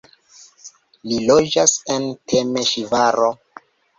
Li loĝas en Temeŝvaro.